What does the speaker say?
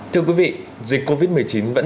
thưa quý vị dịch covid một mươi chín vẫn đang diễn ra